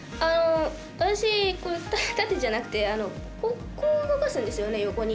私、縦じゃなくてこう動かすんですよね、横に。